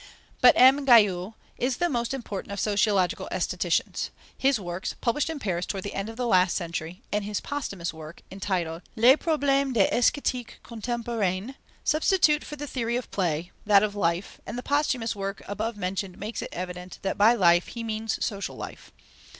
But M. Guyau is the most important of sociological aestheticians. His works, published in Paris toward the end of last century, and his posthumous work, entitled Les problèmes de l'Esthétique contemporaine, substitute for the theory of play, that of life, and the posthumous work above mentioned makes it evident that by life he means social life.